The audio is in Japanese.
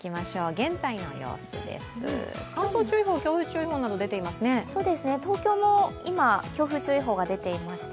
現在の様子です、乾燥注意報、強風注意報など出ていますね。